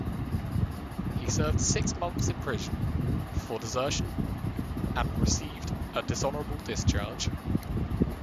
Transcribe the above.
He served six months in prison for desertion and received a dishonorable discharge.